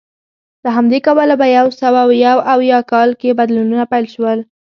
له همدې کبله په یو سوه یو اویا کال کې بدلونونه پیل شول